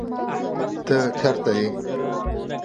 ته چرته یې؟